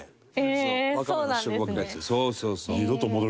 そうそうそう。